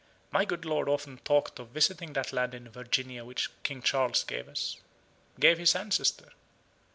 My good lord often talked of visiting that land in Virginia which King Charles gave us gave his ancestor.